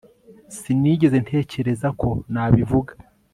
sinigeze ntekereza ko nabivuga